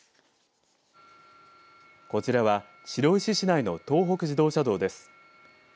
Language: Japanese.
こちらは白石市内の東北自動車道です。